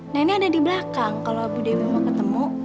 nenek ada di belakang kalau bu dewi mau ketemu